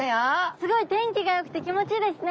すごい天気がよくて気持ちいいですね。